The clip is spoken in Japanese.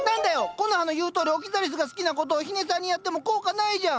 コノハの言うとおりオキザリスが好きなことを日根さんにやっても効果ないじゃん。